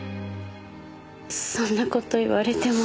そんな事言われても。